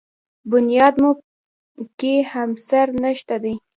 بنیاد مو کې همسر نشته دی.